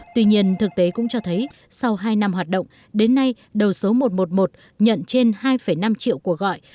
tuy nhiên thực tế cũng cho thấy sau hai năm hoạt động đến nay đầu số một trăm một mươi một nhận trên hai năm triệu cuộc gọi